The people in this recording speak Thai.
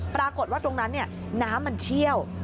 ปรากฏว่าตรงนั้นน้ำมันเชี่ยว